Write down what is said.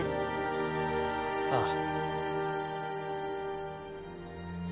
ああ。